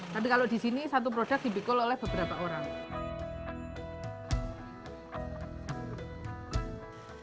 tapi kalau di sini satu produk dibikul oleh beberapa orang